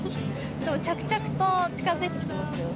でも着々と近づいて来てますよ。